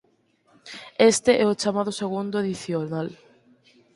Este é o chamado segundo adicional.